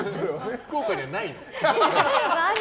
福岡にはないんだ。